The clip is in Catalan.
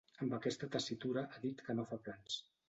Amb aquesta tessitura ha dit que no fa plans.